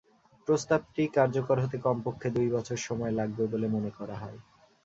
প্রস্তাবটি কার্যকর হতে কমপক্ষে দুই বছর সময় লাগবে বলে মনে করা হয়।